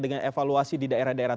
dengan evaluasi di daerah daerah